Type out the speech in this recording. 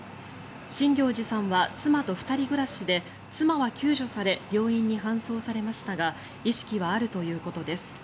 新行内さんは妻と２人暮らしで妻は救助され病院に搬送されましたが意識はあるということです。